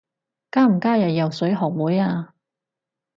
加唔加入游水學會啊？